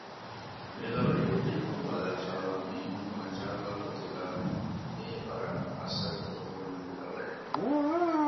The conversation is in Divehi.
މި ލަވަ ޔޫޓިއުބުން ބަލާފައިވާ މީހުން ބުނެފައިވާ ގޮތުގައި މިއީ ވަރަށް އަސަރު ކުރުވަނިވި ލަވައެއް